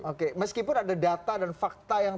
oke meskipun ada data dan fakta yang